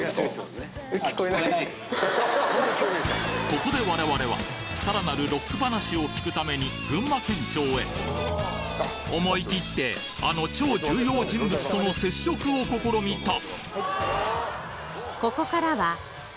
ここで我々は更なるロック話を聞くために群馬県庁へ思い切ってあの超重要人物との接触を試みた